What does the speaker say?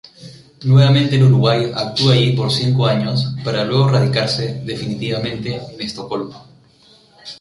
Nuevamente en Uruguay, actúa allí por cinco años para luego radicarse definitivamente en Estocolmo.